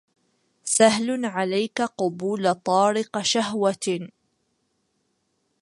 سهل عليك قبول طارق شهوة